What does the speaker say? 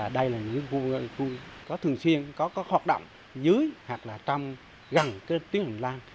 đây là những khu có thường xuyên có hoạt động dưới hoặc là gần tuyến hành lang